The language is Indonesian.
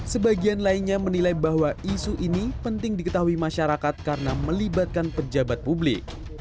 sebagian lainnya menilai bahwa isu ini penting diketahui masyarakat karena melibatkan pejabat publik